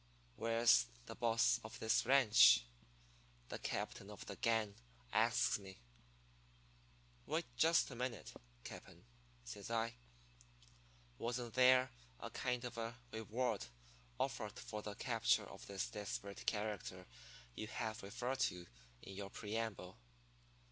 "'Where's the boss of this ranch?' the captain of the gang asks me. "'Wait just a minute, cap'n,' says I. 'Wasn't there a kind of a reward offered for the capture of this desperate character you have referred to in your preamble?'